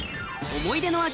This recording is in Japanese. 思い出の味